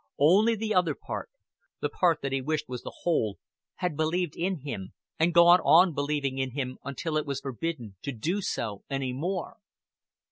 Only the other part, the part that he wished was the whole, had believed in him and gone on believing in him until it was forbidden to do so any more.